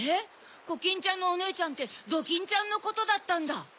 コキンちゃんのおねえちゃんってドキンちゃんのことだったんだ。